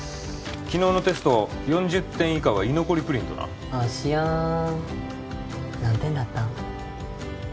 昨日のテスト４０点以下は居残りプリントな芦屋何点だったん？